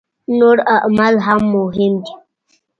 نور اعمال هم مهم دي.